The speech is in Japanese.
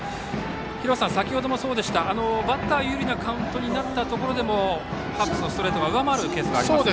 廣瀬さん、先程もそうでしたがバッター有利なカウントでもハッブスのストレートが上回るケースがあります。